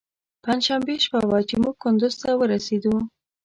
پنجشنبې شپه وه چې موږ کندوز ته ورسېدو.